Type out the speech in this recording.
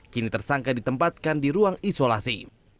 kini tersangka ditempatkan di ruang isolasi